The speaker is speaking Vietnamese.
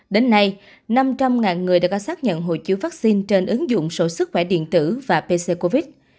đến nay năm trăm linh người đã có xác nhận hồ chứa vaccine trên ứng dụng sổ sức khỏe điện tử và pc covid